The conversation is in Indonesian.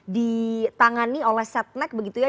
ditangani oleh setnek begitu ya